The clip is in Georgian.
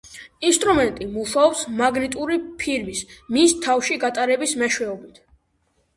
ინსტრუმენტი მუშაობს მაგნიტური ფირის მის თავში გატარების მეშვეობით.